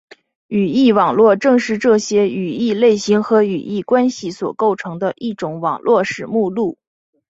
语义网络正是这些语义类型和语义关系所构成的一种网络式目录。